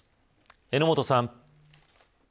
榎本さん。